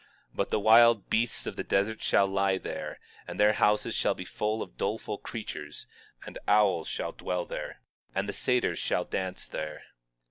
23:21 But wild beasts of the desert shall lie there; and their houses shall be full of doleful creatures; and owls shall dwell there, and satyrs shall dance there.